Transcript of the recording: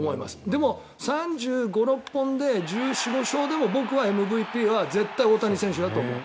でも３５３６本で１４１５勝でも僕はＭＶＰは絶対、大谷選手だと思う。